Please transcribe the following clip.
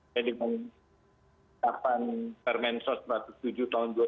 yang dimengkapan permen sos empat ratus tujuh tahun dua ribu sembilan belas